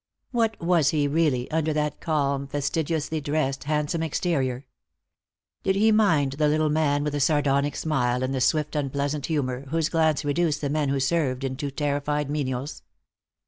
What was he, really, under that calm, fastidiously dressed, handsome exterior? Did he mind the little man with the sardonic smile and the swift unpleasant humor, whose glance reduced the men who served into terrified menials?